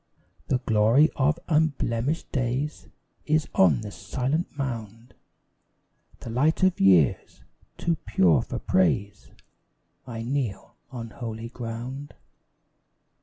The glory of unblemished days Is on the silent mound The light of years, too pure for praise; I kneel on holy ground!